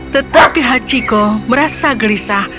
tetapi hachiko merasa gelisah